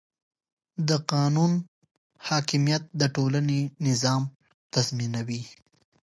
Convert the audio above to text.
د قانون حاکمیت د ټولنې نظم تضمینوي